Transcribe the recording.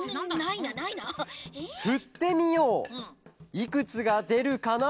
いくつがでるかな？